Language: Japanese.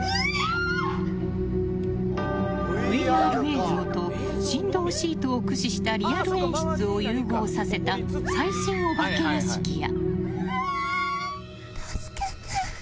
ＶＲ映像と振動シートを駆使したリアル演出を融合させた最新お化け屋敷や。